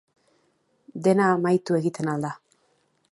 Dena amaitu egiten al da?